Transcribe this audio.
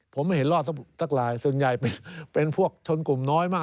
ผมไม่เห็นรอดสักลายส่วนใหญ่เป็นพวกชนกลุ่มน้อยมาก